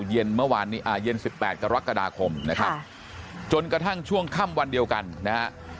เย็นเมื่อวานนี้อ่าเย็น๑๘กรกฎาคมนะครับจนกระทั่งช่วงค่ำวันเดียวกันนะฮะ